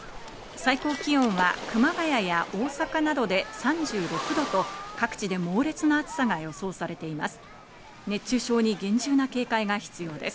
最高気温は熊谷や大阪などで３６度と、各地で猛烈な暑さが予想されています。